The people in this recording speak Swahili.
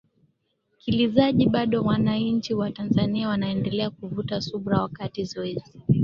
kilizaji bado wananchi wa tanzania wanaendelea kuvuta subra wakati zoezi